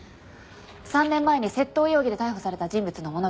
３年前に窃盗容疑で逮捕された人物のものと一致。